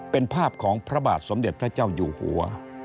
เป็นภาพของพระบาทสมเด็จพระเจ้าอยู่หัว